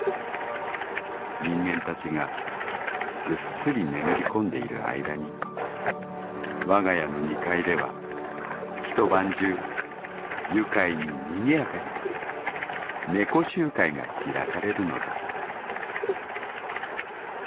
人間たちがぐっすり眠りこんでいる間に我が家の二階では一晩中愉快に賑やかに猫集会が開かれるのだった」。